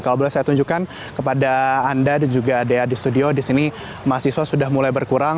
kalau boleh saya tunjukkan kepada anda dan juga dea di studio di sini mahasiswa sudah mulai berkurang